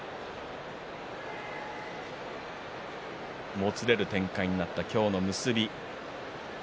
もつれる展開になった今日の結び。